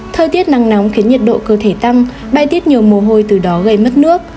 thời tiết nắng nóng khiến nhiệt độ cơ thể tăng bay tiết nhiều mồ hôi từ đó gây mất nước